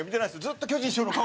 ずっと巨人師匠の顔